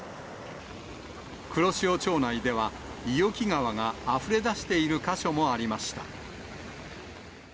黒潮町内では、伊与木川があふれ出している箇所もありました。